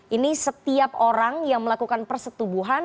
ini setiap orang yang melakukan persetubuhan